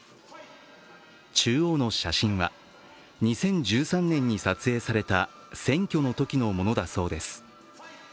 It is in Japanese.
中央の写真は２０１３年に撮影された選挙のときのものだそうです。